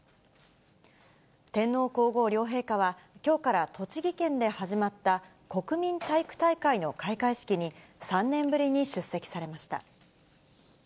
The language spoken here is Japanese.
天皇皇后両陛下は、きょうから栃木県で始まった国民体育大会の開会式に、３年ぶりに出席されました。